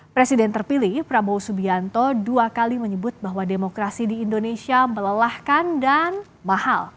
presiden terpilih prabowo subianto dua kali menyebut bahwa demokrasi di indonesia melelahkan dan mahal